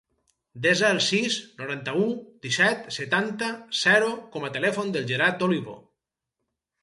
Desa el sis, noranta-u, disset, setanta, zero com a telèfon del Gerard Olivo.